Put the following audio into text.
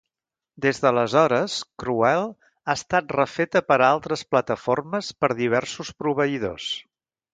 Des d'aleshores, Cruel ha estat refeta per a altres plataformes per diversos proveïdors.